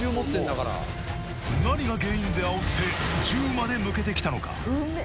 何が原因であおって銃まで向けてきたのか？